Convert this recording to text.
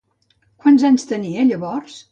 Quants anys tenia llavors?